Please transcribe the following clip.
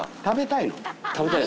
食べたいの？